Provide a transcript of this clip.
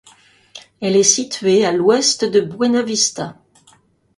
Elle est située à l’ouest de Buena Vista.